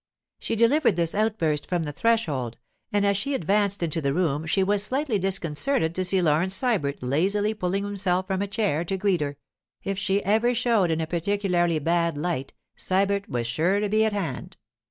She delivered this outburst from the threshold, and as she advanced into the room she was slightly disconcerted to see Laurence Sybert lazily pulling himself from a chair to greet her—if she ever showed in a particularly bad light, Sybert was sure to be at hand.